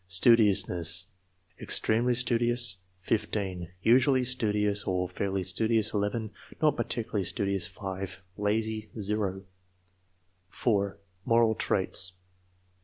Studiousness. "Extremely studious," 15; "usually studious" or "fairly studious," 11; "not particularly studious," 5; "lazy,"0. 4. Moral traits.